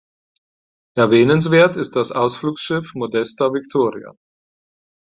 Erwähnenswert ist das Ausflugsschiff "Modesta Victoria".